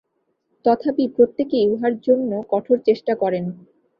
তথাপি প্রত্যেকেই উহার জন্য কঠোর চেষ্টা করেন।